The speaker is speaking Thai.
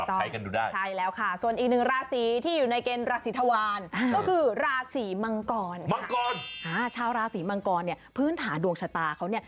ถือว่าเป็นช่วงดี